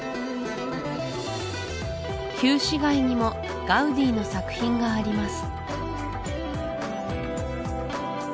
旧市街にもガウディの作品があります